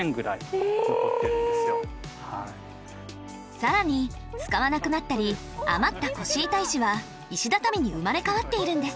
更に使わなくなったり余った腰板石は石畳に生まれ変わっているんです。